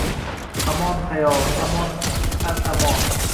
Amon, xayol! Amon, al-amon!..